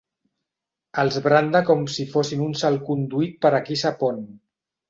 Els branda com si fossin un salconduit per a qui sap on.